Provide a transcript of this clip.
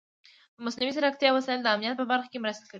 د مصنوعي ځیرکتیا وسایل د امنیت په برخه کې مرسته کوي.